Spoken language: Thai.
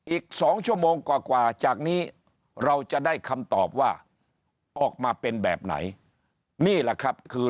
อีก๒ชั่วโมงกว่าจากนี้เราจะได้คำตอบว่าออกมาเป็นแบบไหนนี่แหละครับคือ